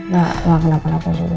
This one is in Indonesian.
gak makan apa apa juga